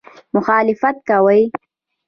مخالفت کوي.